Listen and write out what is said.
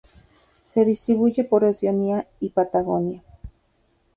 Se distribuye por Oceanía y Patagonia.